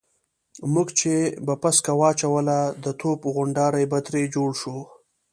موږ چې به پسکه واچوله د توپ غونډاری به ترې جوړ شو.